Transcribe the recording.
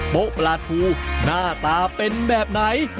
โต๊ะปลาทูหน้าตาเป็นแบบไหน